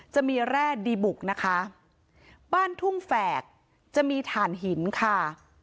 จะมีแร่ดีบุกนะคะบ้านทุ่งแฝกจะมีฐานหินค่ะ